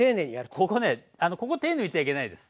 ここねここ手抜いちゃいけないです。